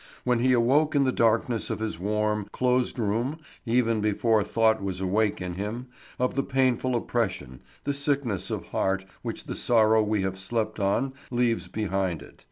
When he awoke in the darkness of his warm, closed room he was aware, even before thought was awake in him, of the painful oppression, the sickness of heart which the sorrow we have slept on leaves behind it.